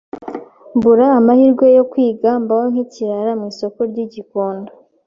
mbura amahirwe yo kwiga mbaho nk’ikirara mu isoko ry’I gikondo